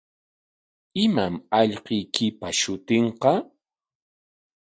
¿Imam allquykipa shutinqa?